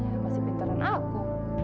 ya masih pintaran aku